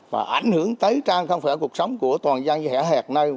và ảnh hưởng tới trang không phải cuộc sống của toàn dân như hẻ hẹt này